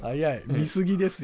見すぎですよ。